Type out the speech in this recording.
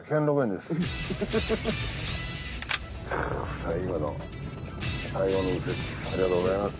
最後の最後の右折ありがとうございます。